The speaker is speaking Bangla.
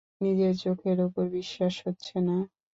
নিজের চোখের ওপর বিশ্বাস হচ্ছে না।